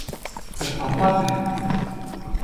Περπατάτε!